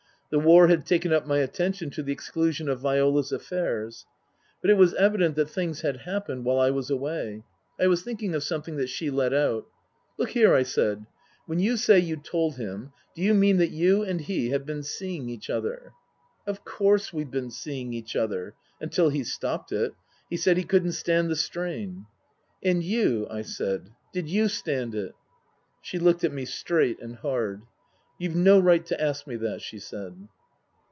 The war had taken up my attention to the exclusion of Viola's affairs. But it was evident that things had happened while I was away. I was thinking of something that she let out. " Look here," I said, " when you say you told him, do you mean that you and he have been seeing each other ?"" Of course we've been seeing each other. Until he stopped it. He said he couldn't stand the strain." " And you ?" I said. " Did you stand it ?" She looked at me straight and hard. " You've no right to ask me that," she said.